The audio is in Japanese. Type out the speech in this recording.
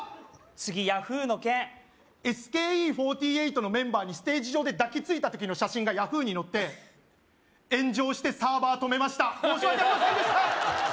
次Ｙａｈｏｏ！の件ＳＫＥ４８のメンバーにステージ上で抱きついた時の写真がＹａｈｏｏ！に載って炎上してサーバー止めました申し訳ありませんでした！